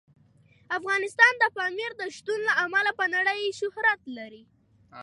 افغانستان د پامیر د شتون له امله په نړۍ شهرت لري.